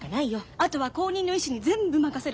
あとは後任の医師に全部任せろって。